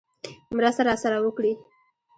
مرسته راسره وکړي.